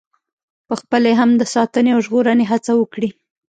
پخپله یې هم د ساتنې او ژغورنې هڅه وکړي.